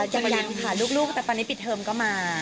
ยังค่ะลูกแต่ตอนนี้ปิดเทอมก็มา